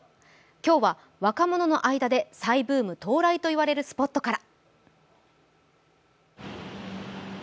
今日は若者の間で再ブーム到来と言われるスポットから。